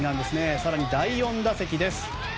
更に、第４打席です。